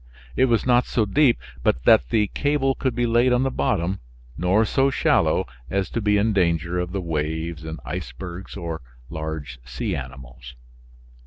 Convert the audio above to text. It was not so deep but that the cable could be laid on the bottom, nor so shallow as to be in danger of the waves, icebergs or large sea animals.